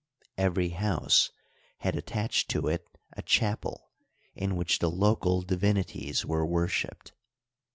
Every house had attached to it a chapel, in which the local divinities were worshiped.